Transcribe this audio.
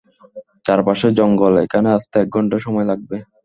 চারপাশে জঙ্গল এখানে আসতে এক ঘণ্টা সময় লাগবে।